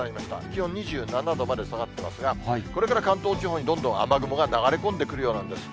気温２７度まで下がってますが、これから関東地方にどんどん雨雲が流れ込んでくるようなんです。